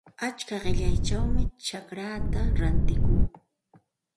Achka qillayćhawmi chacraata rantikuu.